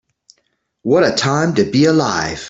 What a time to be alive.